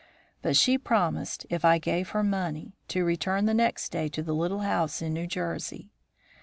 But she promised, if I gave her money, to return the next day to the little house in New Jersey.